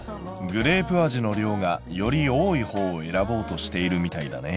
グレープ味の量がより多いほうを選ぼうとしているみたいだね。